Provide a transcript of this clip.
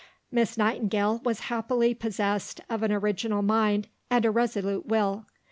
Miss Nightingale was happily possessed of an original mind and a resolute will.